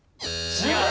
違う。